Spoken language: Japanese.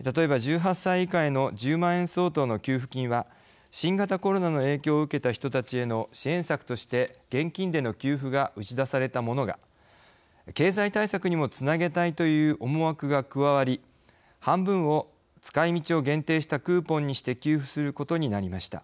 例えば１８歳以下への１０万円相当の給付金は新型コロナの影響を受けた人たちへの支援策として現金での給付が打ち出されたものが経済対策にもつなげたいという思惑が加わり半分を使いみちを限定したクーポンにして給付することになりました。